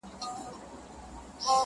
یو په یو به را نړیږي معبدونه د بُتانو-